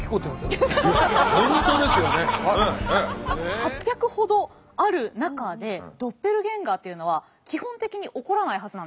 ８００ほどある中でドッペルゲンガーというのは基本的に起こらないはずなんですよ。